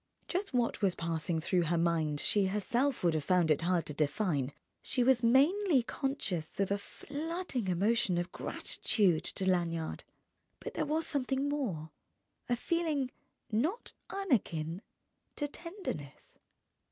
Just what was passing through her mind she herself would have found it hard to define; she was mainly conscious of a flooding emotion of gratitude to Lanyard; but there was something more, a feeling not unakin to tenderness....